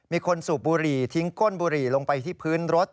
สูบบุหรี่ทิ้งก้นบุหรี่ลงไปที่พื้นรถ